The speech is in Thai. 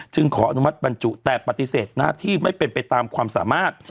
ขออนุมัติบรรจุแต่ปฏิเสธหน้าที่ไม่เป็นไปตามความสามารถ